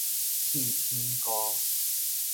刺鼠菇